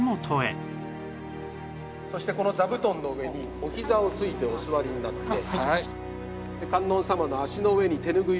そしてこの座布団の上におひざをついてお座りになって。